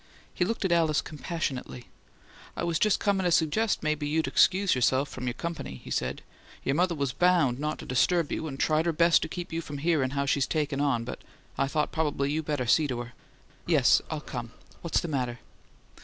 He looked at Alice compassionately. "I was just comin' to suggest maybe you'd excuse yourself from your company," he said. "Your mother was bound not to disturb you, and tried her best to keep you from hearin' how she's takin' on, but I thought probably you better see to her." "Yes, I'll come. What's the matter?"